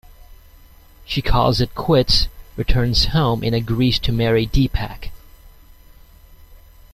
She calls it quits, returns home and agrees to marry Deepak.